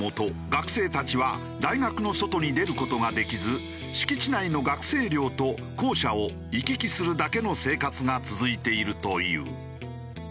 学生たちは大学の外に出る事ができず敷地内の学生寮と校舎を行き来するだけの生活が続いているという。